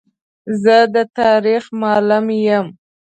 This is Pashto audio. زه د تاریخ معلم یم.